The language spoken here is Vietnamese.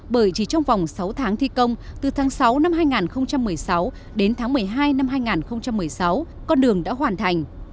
bởi chỉ trong vòng sáu tháng thi công từ tháng sáu năm hai nghìn một mươi sáu đến tháng một mươi hai năm hai nghìn một mươi sáu con đường đã hoàn thành